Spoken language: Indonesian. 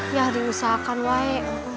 ya diusahakan wae